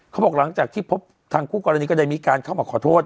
หลังจากที่พบทางคู่กรณีก็ได้มีการเข้ามาขอโทษ